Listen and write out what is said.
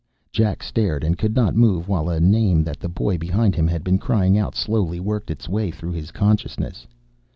Jack stared and could not move while a name that the boy behind him had been crying out slowly worked its way through his consciousness.